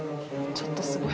「ちょっとすごい」